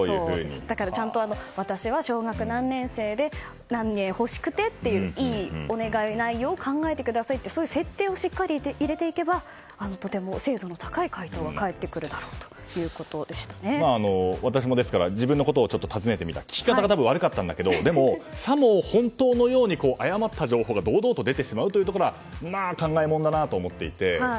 だから、ちゃんと私は小学何年生で、何が欲しくていいお願い方法を考えてくださいという設定をしっかり入れていけばとても精度の高い回答が私も自分のことを尋ねてみたら聞き方が悪かったと思うんですがでも、さも本当のように誤った情報が堂々と出てしまうというところは考えものだなと思っていて。